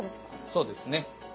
そうですね。